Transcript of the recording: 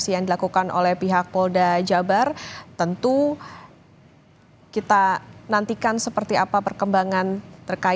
jangan lupa jangan lupa jangan lupa jangan lupa